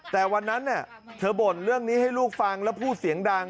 แต่วันนั้นเธอบ่นเรื่องนี้ให้ลูกฟังแล้วพูดเสียงดัง